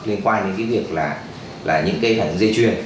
liên quan đến cái việc là những cái phản ứng dây chuyền